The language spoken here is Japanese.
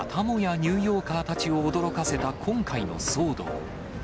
ニューヨーカーたちを驚かせた今回の騒動。